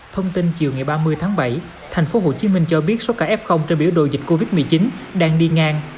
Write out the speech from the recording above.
thông tin chiều ngày ba mươi tháng bảy thành phố hồ chí minh cho biết số cả f trên biểu đồ dịch covid một mươi chín đang đi ngang